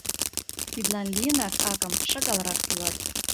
Тидлан лийынак, акым шагалрак тӱлат.